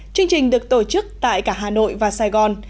chương trình được tổ chức tại cả hà nội và sài gòn